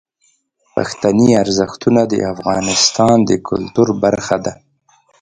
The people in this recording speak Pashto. پښتني ارزښتونه د افغانستان د کلتور برخه ده.